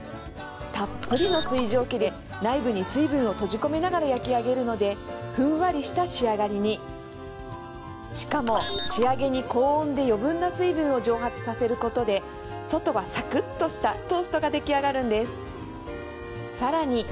たっぷりの水蒸気で内部に水分を閉じ込めながら焼き上げるのでふんわりした仕上がりにしかも仕上げに高温で余分な水分を蒸発させることで外はサクッとしたトーストができあがるんですさらに